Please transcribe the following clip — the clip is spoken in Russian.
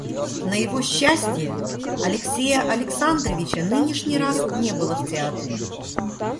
На его счастие, Алексея Александровича нынешний раз не было в театре.